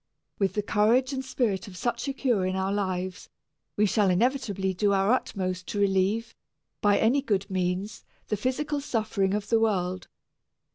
With the courage and spirit of such a cure in our lives, we shall inevitably do our utmost to relieve, by any good means, the physical suffering of the world.